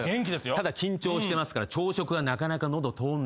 ただ緊張してますから朝食はなかなか喉通んないんですよね。